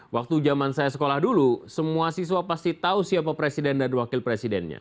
waktu zaman saya sekolah dulu semua siswa pasti tahu siapa presiden dan wakil presidennya